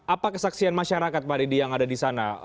apa kesaksian masyarakat pak didi yang ada di sana